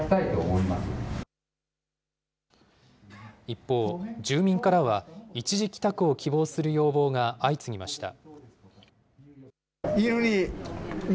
一方、住民からは一時帰宅を希望する要望が相次ぎました。